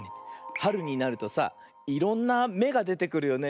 はるになるとさいろんなめがでてくるよね。